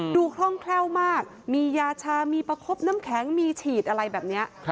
คล่องแคล่วมากมียาชามีประคบน้ำแข็งมีฉีดอะไรแบบนี้